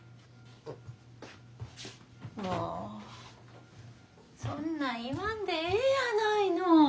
もうそんなん言わんでええやないの。